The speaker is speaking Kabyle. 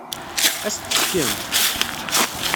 Ad as-tt-tefkemt?